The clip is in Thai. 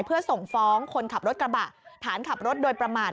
เพื่อส่งฟ้องคนขับรถกระบะฐานขับรถโดยประมาท